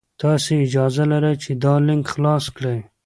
تاسي اجازه لرئ چې دا لینک خلاص کړئ.